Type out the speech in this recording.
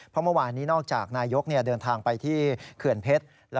เพราะเมื่อวานนี้นอกจากนายกเดินทางไปที่เขื่อนเพชร